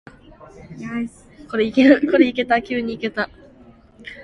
모든 국민은 근로의 권리를 가진다.